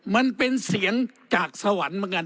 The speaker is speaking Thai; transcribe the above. มันเป็นเสียงจากสวรรค์เหมือนกัน